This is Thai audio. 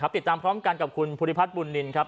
ติดตามพร้อมกันกับคุณพูธิพลัสภูนิลครับ